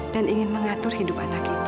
dan ingin mengatur hidup anak kita